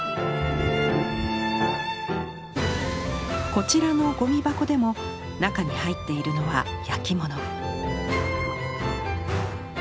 こちらのゴミ箱でも中に入ってるいるのは焼き物。